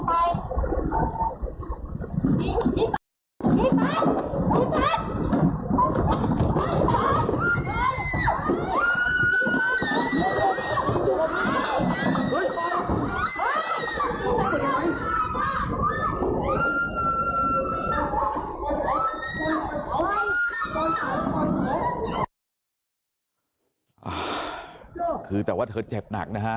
คือแต่ว่าเธอเจ็บหนักนะฮะ